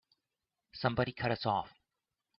Somebody cut us off!